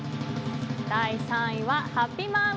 第３位はハピまん。